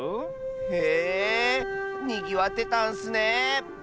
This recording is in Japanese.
へえにぎわってたんッスね。